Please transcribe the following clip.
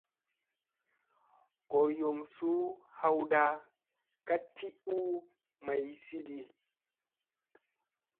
Gooryoŋ suu hawɗa ka ti u maysiiɗi.